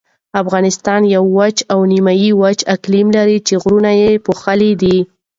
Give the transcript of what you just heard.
افغانستان یو وچ او نیمه وچ اقلیم لري چې غرونه یې پوښلي دي.